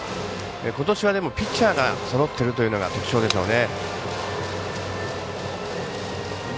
ことしはピッチャーがそろってるというのが特徴でしょうね。